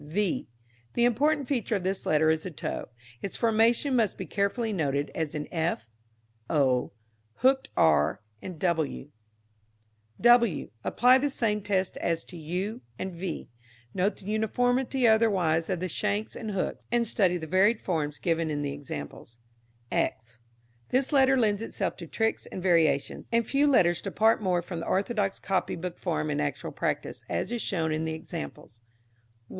v. The important feature of this letter is the toe. Its formation must be carefully noted as in f, o, hooked r and w. w. Apply the same test as to u and v. Note the uniformity or otherwise of the shanks and hooks, and study the varied forms given in the examples. x. This letter lends itself to tricks and variations, and few letters depart more from the orthodox copybook form in actual practice, as is shown in the examples.